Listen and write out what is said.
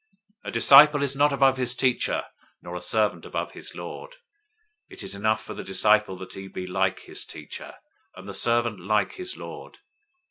010:024 "A disciple is not above his teacher, nor a servant above his lord. 010:025 It is enough for the disciple that he be like his teacher, and the servant like his lord.